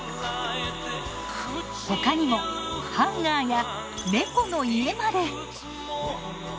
他にもハンガーや猫の家まで。